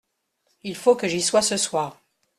Il faut que j'y sois ce soir.